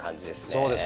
そうですね。